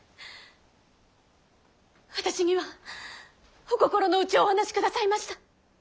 私にはお心の内をお話しくださいました。